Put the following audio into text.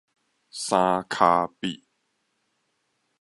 三跤鱉